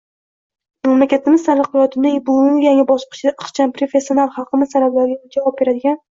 Mamlakatimiz taraqqiyotining bugungi yangi bosqichida ixcham, professional, xalqimiz talablariga javob beradigan